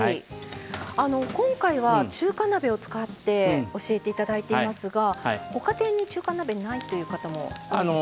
今回は中華鍋を使って教えて頂いていますがご家庭に中華鍋ないという方も。